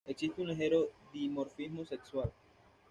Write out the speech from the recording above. Existe un ligero dimorfismo sexual.